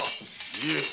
いえ。